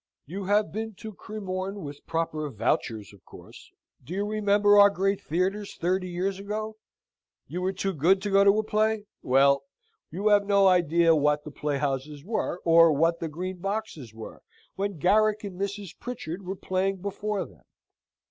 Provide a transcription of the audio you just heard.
You have been to Cremorne with proper "vouchers" of course? Do you remember our great theatres thirty years ago? You were too good to go to a play. Well, you have no idea what the playhouses were, or what the green boxes were, when Garrick and Mrs. Pritchard were playing before them!